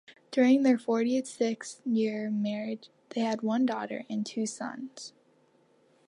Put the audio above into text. During their forty-six-year marriage, they had one daughter and two sons.